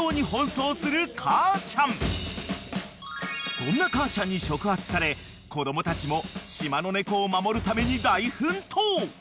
［そんな母ちゃんに触発され子供たちも島の猫を守るために大奮闘］